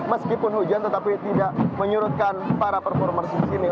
meskipun hujan tetapi tidak menyurutkan para performer di sini